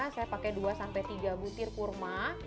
saya pakai dua sampai tiga butir kurma